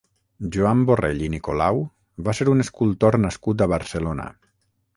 Joan Borrell i Nicolau va ser un escultor nascut a Barcelona.